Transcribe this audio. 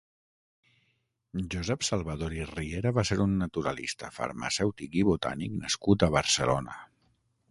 Josep Salvador i Riera va ser un naturalista, farmacèutic i botànic nascut a Barcelona.